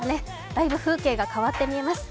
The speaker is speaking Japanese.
だいぶ風景が変わって見えます。